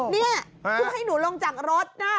เพราะให้หนูลงจากรถนะ